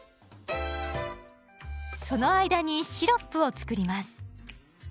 その間にシロップを作ります。